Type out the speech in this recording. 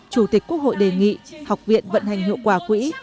chủ tịch quốc hội đề nghị học viện vận hành hiệu quả quỹ